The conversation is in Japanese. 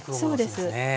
そうです。